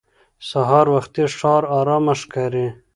سهار وختي ښار ارام ښکاري